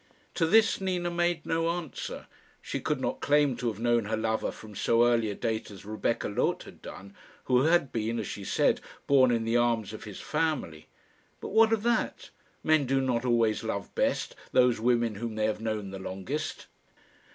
To this Nina made no answer. She could not claim to have known her lover from so early a date as Rebecca Loth had done, who had been, as she said, born in the arms of his family. But what of that? Men do not always love best those women whom they have known the longest.